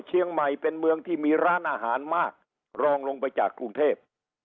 เชียงใหม่เป็นเมืองที่มีร้านอาหารมากรองลงไปจากกรุงเทพ